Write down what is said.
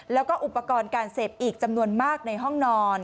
แล้วก็อุปกรณ์การเสพอีกจำนวนมากในห้องนอน